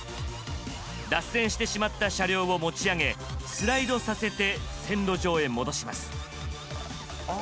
脱線してしまった車両を持ち上げスライドさせて線路上へ戻します。